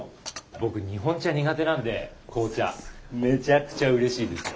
僕日本茶苦手なんで紅茶めちゃくちゃうれしいですよ。